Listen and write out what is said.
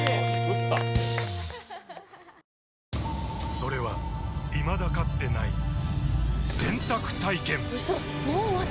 それはいまだかつてない洗濯体験‼うそっ！